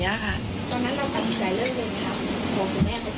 ตอนนั้นเราก็ถึงใจเรื่องเวียงค่ะหัวคุณแม่เขาพูดอย่างเนี้ย